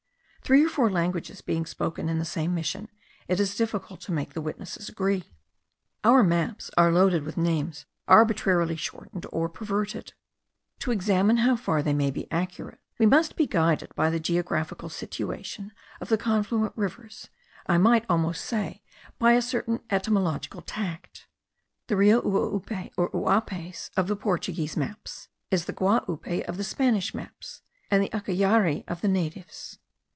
Three or four languages being spoken in the same mission, it is difficult to make the witnesses agree. Our maps are loaded with names arbitrarily shortened or perverted. To examine how far they may be accurate, we must be guided by the geographical situation of the confluent rivers, I might almost say by a certain etymological tact. The Rio Uaupe, or Uapes of the Portuguese maps, is the Guapue of the Spanish maps, and the Ucayari of the natives.